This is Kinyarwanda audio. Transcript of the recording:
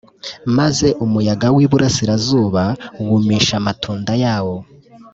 maze umuyaga w’iburasirazuba wumisha amatunda yawo